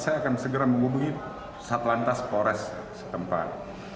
saya akan segera menghubungi satlantas polres setempat